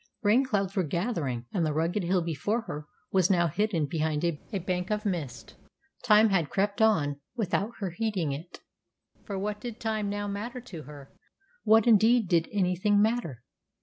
Rainclouds were gathering, and the rugged hill before her was now hidden behind a bank of mist. Time had crept on without her heeding it, for what did time now matter to her? What, indeed, did anything matter?